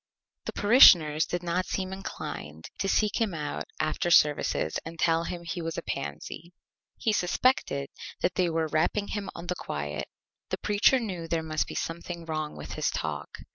The Parishioners did not seem inclined to seek him out after Services and tell him he was a Pansy. He suspected that they were Rapping him on the Quiet. The Preacher knew there must be something wrong with his Talk.